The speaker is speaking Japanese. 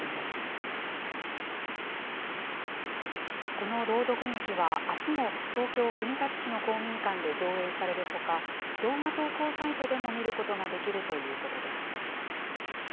この朗読劇はあすも東京・国立市の公民館で上映されるほか、動画投稿サイトでも見ることができるということです。